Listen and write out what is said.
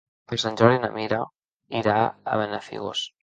Per Sant Jordi na Mira irà a Benafigos.